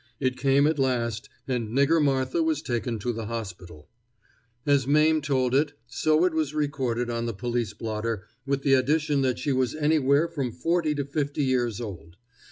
It came at last, and Nigger Martha was taken to the hospital. As Mame told it, so it was recorded on the police blotter, with the addition that she was anywhere from forty to fifty years old.